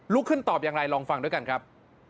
ขึ้นตอบอย่างไรลองฟังด้วยกันครับ